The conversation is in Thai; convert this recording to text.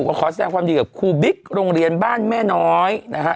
ขอแสดงความดีกับครูบิ๊กโรงเรียนบ้านแม่น้อยนะฮะ